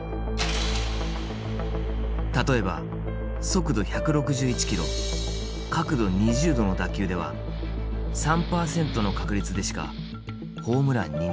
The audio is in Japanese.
例えば速度１６１キロ角度２０度の打球では３％の確率でしかホームランにならない。